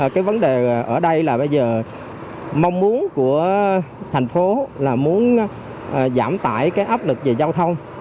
cái vấn đề ở đây là bây giờ mong muốn của thành phố là muốn giảm tải cái áp lực về giao thông